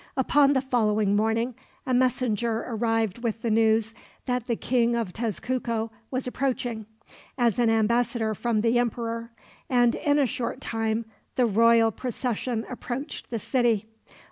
Upon the following morning, a messenger arrived with the news that the King of Tezcuco was approaching, as an ambassador from the emperor, and in a short time the royal procession approached the city.